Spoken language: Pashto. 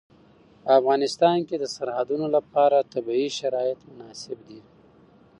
په افغانستان کې د سرحدونه لپاره طبیعي شرایط مناسب دي.